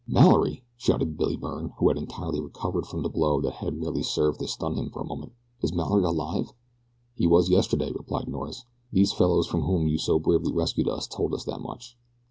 "Mallory!" shouted Billy Byrne, who had entirely recovered from the blow that had merely served to stun him for a moment. "Is Mallory alive?" "He was yesterday," replied Norris; "these fellows from whom you so bravely rescued us told us that much."